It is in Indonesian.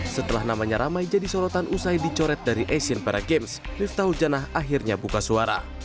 setelah namanya ramai jadi sorotan usai dicoret dari asian paragames lifta hujanah akhirnya buka suara